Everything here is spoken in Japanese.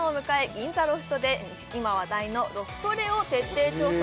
銀座ロフトで今話題のロフトレを徹底調査